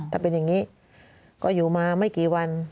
ถ้าเป็นอย่างนี้ก็อยู่มาไม่กี่วัน